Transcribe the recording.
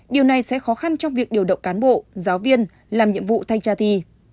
điều này sẽ khó khăn trong việc điều động cán bộ giáo viên làm nhiệm vụ thanh tra thi